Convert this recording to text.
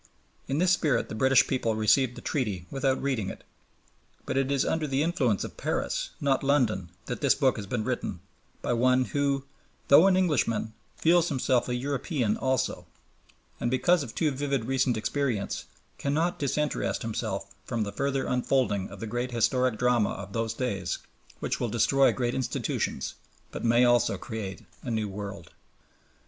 In this spirit the British people received the Treaty without reading it. But it is under the influence of Paris, not London, that this book has been written by one who, though an Englishman, feels himself a European also, and, because of too vivid recent experience, cannot disinterest himself from the further unfolding of the great historic drama of these days which will destroy great institutions, but may also create a new world.